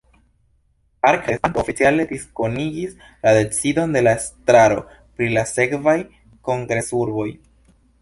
Mark Fettes ankaŭ oficiale diskonigis la decidon de la estraro pri la sekvaj kongresurboj.